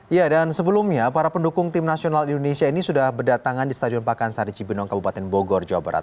ya dan sebelumnya para pendukung tim nasional indonesia ini sudah berdatangan di stadion pakansari cibenong kabupaten bogor jawa barat